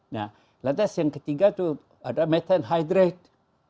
nah lantas yang ketiga itu ada meten hydrate